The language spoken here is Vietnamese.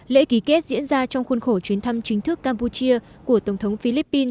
lễ ký kết diễn ra trong khuôn khổ chuyến thăm chính thức campuchia của tổng thống philippines